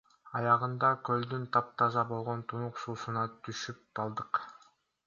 Аягында көлдүн таптаза болгон тунук суусуна түшүп алдык.